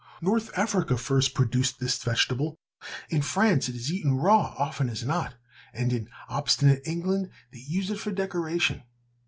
North Africa first produced this vegetable; in France it is eaten raw often as not and in obstinate England they use it for decoration.